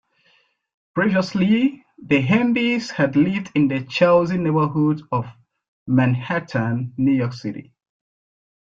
Previously, the Handeys had lived in the Chelsea neighborhood of Manhattan, New York City.